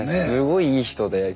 すごいいい人で。